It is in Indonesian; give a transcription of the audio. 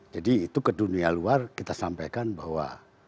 jadi itu ke dunia luar kita sampaikan bahwa